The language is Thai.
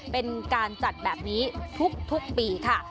เป็นการจัดแบบนี้ทุกปีค่ะ